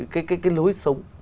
cái lối sống